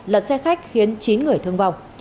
lật xe khách khiến chín người thương vong